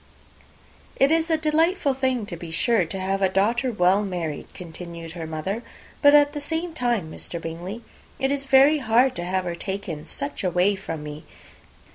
"It is a delightful thing, to be sure, to have a daughter well married," continued her mother; "but at the same time, Mr. Bingley, it is very hard to have her taken away from me.